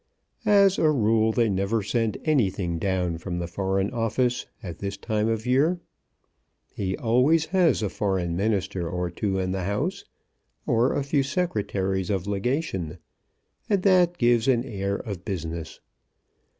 As a rule they never send anything down from the Foreign Office at this time of year. He always has a Foreign Minister or two in the house, or a few Secretaries of Legation, and that gives an air of business.